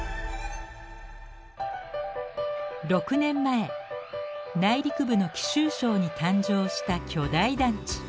６年前内陸部の貴州省に誕生した巨大団地。